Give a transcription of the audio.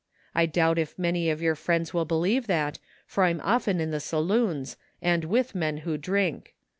I doubt if many of your friends will be lieve that, for I'm often in the saloons, and with men who drink.